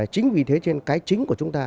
chính vì thế trên cái chính của chúng ta